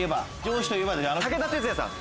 武田鉄矢さん。